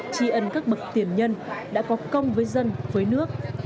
chi ấn các bậc tiền nhân đã có công với dân với nước